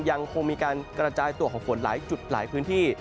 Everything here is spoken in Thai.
ยังคงมีการกระจายตัวของฝนหลายจุดหลายพื้นที่